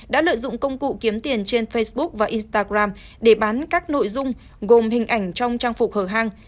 đã lợi dụng công cụ kiếm tiền trên facebook và instagram để bán các nội dung gồm hình ảnh trong trang phục hở hang